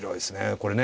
これね